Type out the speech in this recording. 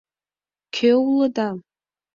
Кӧ улыда?